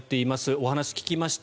お話を聞きました。